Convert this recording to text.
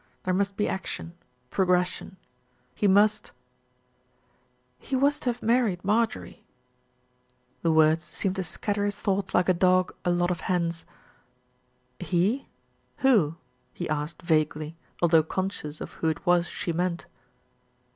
There must be action, progression. He must "He was to have married Marjorie." The words seemed to scatter his thoughts like a dog a lot of hens. "He! Who?" he asked vaguely, although conscious of who it was she meant.